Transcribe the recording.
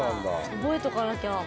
覚えとかなきゃ。